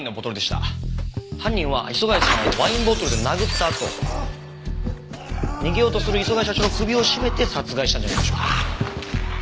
犯人は磯貝さんをワインボトルで殴ったあと逃げようとする磯貝社長の首を絞めて殺害したんじゃないでしょうか？